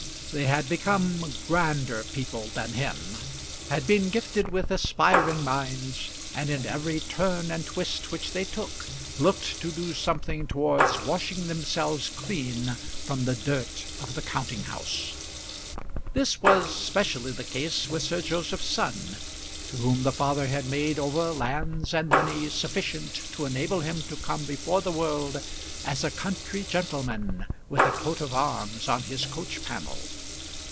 They had become grander people than him, had been gifted with aspiring minds, and in every turn and twist which they took, looked to do something towards washing themselves clean from the dirt of the counting house. This was specially the case with Sir Joseph's son, to whom the father had made over lands and money sufficient to enable him to come before the world as a country gentleman with a coat of arms on his coach panel.